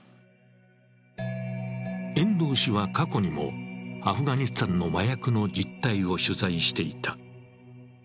遠藤氏は過去にもアフガニスタンの麻薬の実態を取材していた。